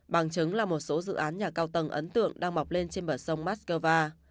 bằng chứng là một số dự án nhà cao tầng ấn tượng đang mọc lên trên bờ sông moscow